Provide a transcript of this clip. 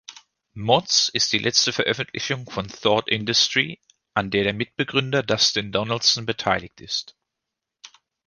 „Mods” ist die letzte Veröffentlichung von Thought Industry, an der Mitbegründer Dustin Donaldson beteiligt ist.